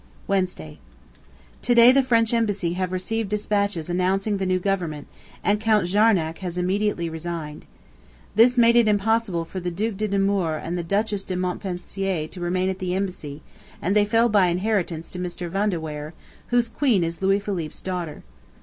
Wednesday. To day the French Embassy have received despatches announcing the new government, and Count Jarnac has immediately resigned. This made it impossible for the Duc de Nemours and the Duchess de Montpensier to remain at the Embassy, and they fell by inheritance to Mr. Van de Weyer, whose Queen is Louis Philippe's daughter.